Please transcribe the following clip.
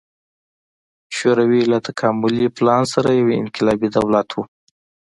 شوروي له تکاملي پلان سره یو انقلابي دولت و.